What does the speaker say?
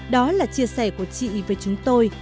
đó là chia sẻ của chị với chúng tôi